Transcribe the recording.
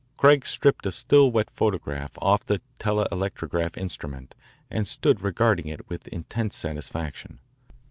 Craig stripped a still wet photograph off the telelectrograph instrument and stood regarding it with intense satisfaction.